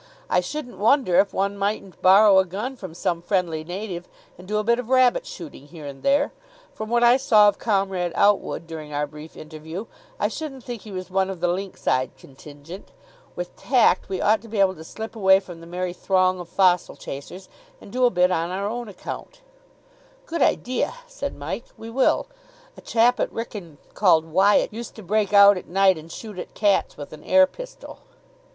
I shouldn't wonder if one mightn't borrow a gun from some friendly native, and do a bit of rabbit shooting here and there. From what I saw of Comrade Outwood during our brief interview, I shouldn't think he was one of the lynx eyed contingent. With tact we ought to be able to slip away from the merry throng of fossil chasers, and do a bit on our own account." "Good idea," said Mike. "We will. A chap at Wrykyn, called Wyatt, used to break out at night and shoot at cats with an air pistol."